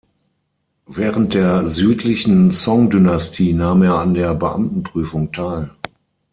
Während der südlichen Song-Dynastie nahm er an der Beamtenprüfung teil.